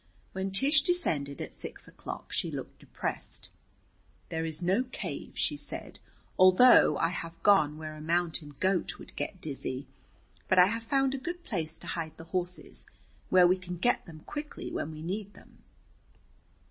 When Tish descended at six o'clock, she looked depressed. "There is no cave," she said, "although I have gone where a mountain goat would get dizzy. But I have found a good place to hide the horses, where we can get them quickly when we need them."